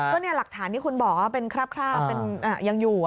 ก็เนี่ยหลักฐานที่คุณบอกว่าเป็นคราบยังอยู่